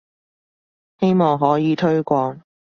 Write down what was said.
希望可以推廣